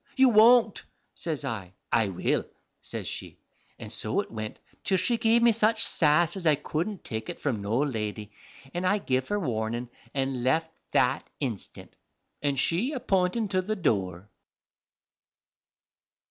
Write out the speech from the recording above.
"You won't," says I. "I will," says she; and so it went, till she give me such sass as I cuddent take from no lady, an' I give her warnin' an' left that instant, an' she a pointin' to the doore.